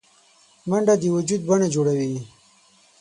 منډه د وجود د بڼه جوړوي